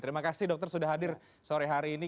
terima kasih dokter sudah hadir sore hari ini